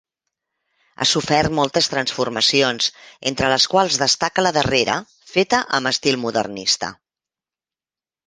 Ha sofert moltes transformacions, entre les quals destaca la darrera, feta amb estil modernista.